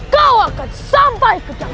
kau akan sampai kejadian